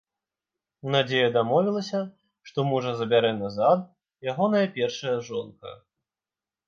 Надзея дамовілася, што мужа забярэ назад ягоная першая жонка.